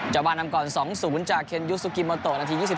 จับมานำก่อน๒๐จากเคนยุสุกิมโตนาที๒๗